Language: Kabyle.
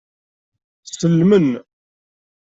Sellmen.